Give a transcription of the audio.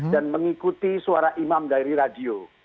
dan mengikuti suara imam dari radio